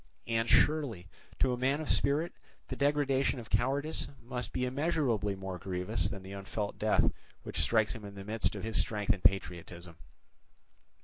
And surely, to a man of spirit, the degradation of cowardice must be immeasurably more grievous than the unfelt death which strikes him in the midst of his strength and patriotism!